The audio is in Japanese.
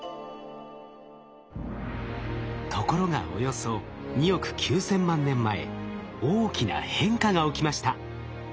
ところがおよそ２億９千万年前大きな変化が起きました。